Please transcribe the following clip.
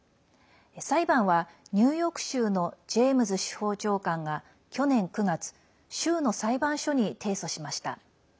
裁判はニューヨーク州のジェームズ司法長官が去年９月州の裁判所に提訴しました。